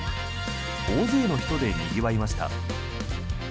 大勢の人でにぎわいました。